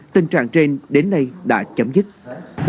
tình trạng trên đến nay đã chấm dứt